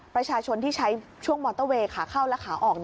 ประชาชนที่ใช้ช่วงมอเตอร์เวย์ขาเข้าและขาออก